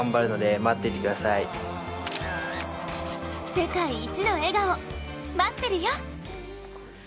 世界一の笑顔、待ってるよ。